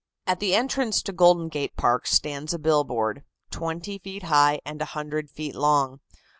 At the entrance to Golden Gate Park stands a billboard, twenty feet high and a hundred feet long.